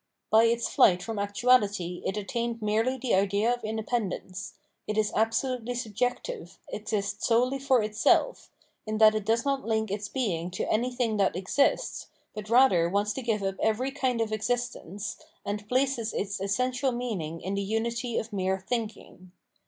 By its flight from actuahty it attained merely the idea of independence ; it is absolutely sub jective, exists solely for itself, in that it does not link i'ts being to an 3 d;hing that exists, but rather wants to * u.p. 176 ff. 481 Legal Status give up every kind of existence, and places its essential meaning in the unity of mere thinking.